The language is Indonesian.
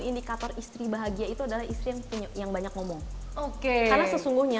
indikator istri bahagia itu adalah istri yang punya yang banyak ngomong oke karena sesungguhnya